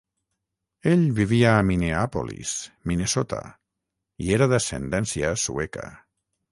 Ell vivia a Minneapolis, Minnesota, i era d'ascendència sueca.